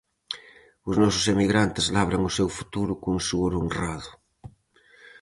Os nosos emigrantes labran o seu futuro con suor honrado.